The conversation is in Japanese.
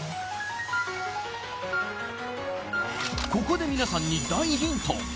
ここでみなさんに大ヒント